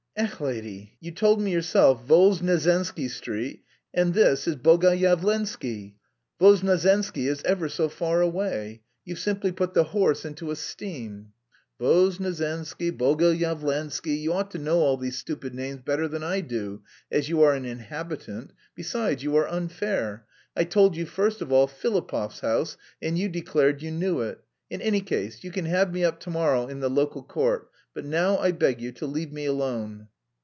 "Ech, lady, you told me yourself Voznesensky Street and this is Bogoyavlensky; Voznesensky is ever so far away. You've simply put the horse into a steam." "Voznesensky, Bogoyavlensky you ought to know all those stupid names better than I do, as you are an inhabitant; besides, you are unfair, I told you first of all Filipov's house and you declared you knew it. In any case you can have me up to morrow in the local court, but now I beg you to let me alone."